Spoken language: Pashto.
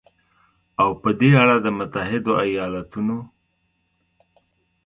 او په دې اړه د متحدو ایالتونو